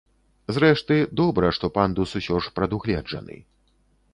Зрэшты, добра, што пандус усё ж прадугледжаны.